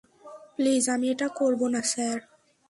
Please, আমি এটা করব না, স্যার।